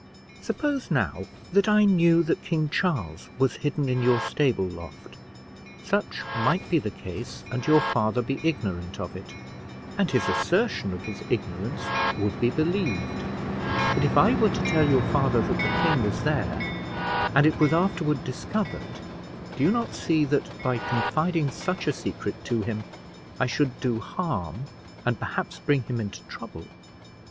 Suppose now that I knew that King Charles was hidden in your stable loft: such might be the case, and your father be ignorant of it, and his assertion of his ignorance would be believed; but if I were to tell your father that the king was there, and it was afterward discovered, do you not see that, by confiding such a secret to him, I should do harm, and perhaps bring him into trouble?"